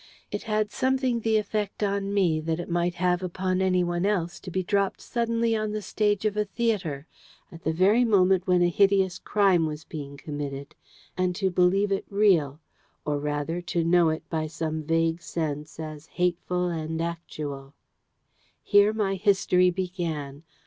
It had something the effect on me that it might have upon anyone else to be dropped suddenly on the stage of a theatre at the very moment when a hideous crime was being committed, and to believe it real, or rather, to know it by some vague sense as hateful and actual. Here my history began.